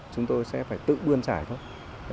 chúng tôi sẽ phải tự buôn trải thôi